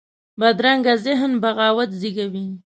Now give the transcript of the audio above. بدرنګه ذهن بغاوت زېږوي